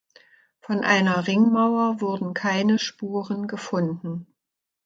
Von einer Ringmauer wurden keine Spuren gefunden.